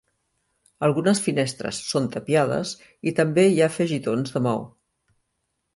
Algunes finestres són tapiades i també hi ha afegitons de maó.